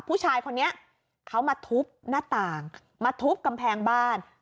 ผู้ชายคนนี้เขามาทุบหน้าต่างมาทุบกำแพงบ้าน